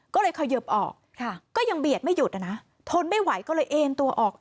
ก็เลยเขยิบออกก็ยังเบียดไม่หยุดนะทนไม่ไหวก็เลยเอ็นตัวออก